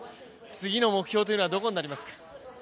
次の目標というのはどこになりますか？